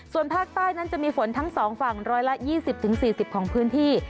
ส่วนภาคใต้นั้นจะมีฝนทั้ง๒ฝั่ง๑๒๐๔๐ของพื้นที่